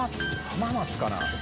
浜松かな？